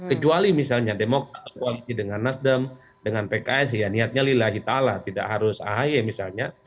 kecuali misalnya demokrat kualisi dengan nasdem dengan pks ya niatnya lillahi ta'ala tidak harus ahy misalnya